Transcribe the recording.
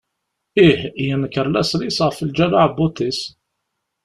Ih, yenker laṣel-is ɣef lǧal uɛebbuḍ-is.